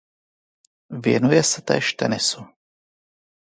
Věnuje se též tenisu.